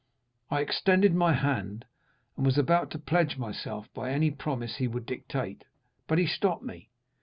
"I extended my hand, and was about to pledge myself by any promise he would dictate, but he stopped me.